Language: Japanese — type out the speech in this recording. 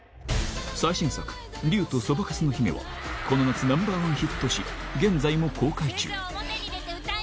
最新作『竜とそばかすの姫』はこの夏ナンバーワンヒットし現在も公開中